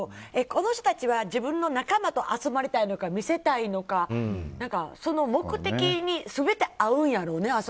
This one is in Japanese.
この人たちは自分の仲間と集まりたいのか見せたいのかその目的に全て合うんやろうね。